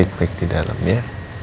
naik baik di dalam ya